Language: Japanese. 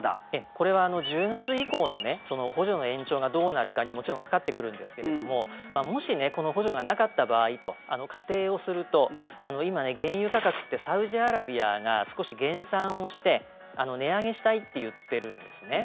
これは１０月以降の補助の延長がどうなるかにもちろんかかってくるんですがもしこの補助がなかった場合と仮定をすると今、原油価格ってサウジアラビアが少し減産をして値上げしたいって言っているんですね。